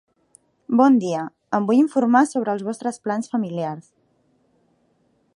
Bon dia, em vull informar sobre els vostres plans familiars.